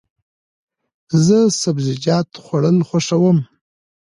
زه سبزیجات خوړل خوښوم.